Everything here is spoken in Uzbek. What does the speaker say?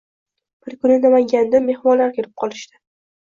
Bir kuni Namangandan mehmonlar kelib qolishdi.